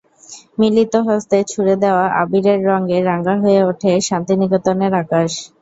মিলিত হস্তে ছুড়ে দেওয়া আবিরের রঙ্গে রাঙা হয়ে ওঠে শান্তিনিকেতনের আকাশ।